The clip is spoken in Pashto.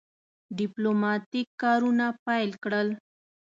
ډیپلوماټیک کارونه پیل کړل.